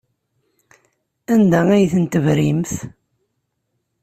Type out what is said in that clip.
Anda ay ten-tebrimt?